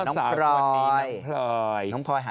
น้องพลอย